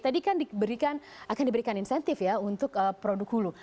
tadi kan diberikan akan diberikan insentif ya untuk produk hulu